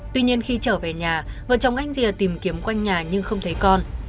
tuy nhiên khi trở về nhà vợ chồng anh rìa tìm kiếm quanh nhà nhưng không thấy con